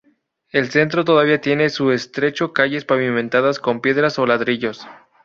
El centro todavía tiene su estrecho calles pavimentadas con piedras o ladrillos.